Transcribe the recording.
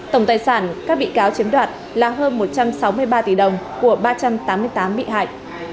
tổng tài sản các bị cáo chiếm đoạt là hơn một trăm sáu mươi ba tỷ đồng của ba trăm tám mươi tám bị hại